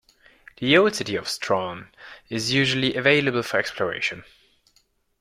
The old city of Strawn is usually available for exploration.